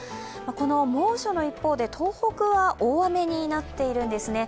この猛暑の一方で東北は大雨になっているんですね。